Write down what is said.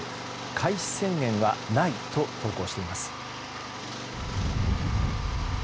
開始宣言はないと投稿しています。